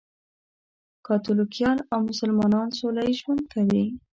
کاتولیکان او مسلمانان سولهییز ژوند کوي.